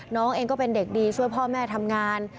น้องเองก็เป็นเด็กดีช่วยพ่อแม่ทำงาน